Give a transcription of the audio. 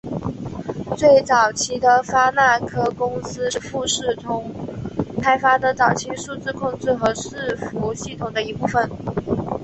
最早期的发那科公司是富士通开发的早期数字控制和伺服系统的一部分。